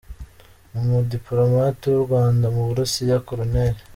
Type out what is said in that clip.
Umudipolomate w’u Rwanda mu Burusiya, Col.